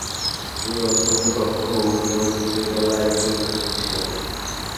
তিনি অতন্ত্য দক্ষ ও নিয়ম মেনে চলা একজন সৈনিক ছিলেন।